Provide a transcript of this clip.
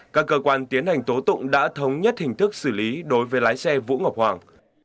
các cơ quan tiến hành tố tụng đã thống nhất hình thức xử lý đối với lái xe vũ ngọc hoàng